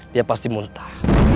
dia pasti muntah